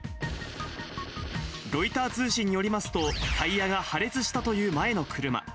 ロイター通信によりますと、タイヤが破裂したという前の車。